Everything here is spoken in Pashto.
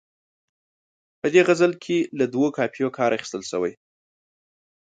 په دې غزل کې له دوو قافیو کار اخیستل شوی.